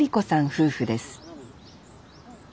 夫婦です